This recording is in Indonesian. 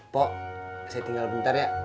pok saya tinggal bentar ya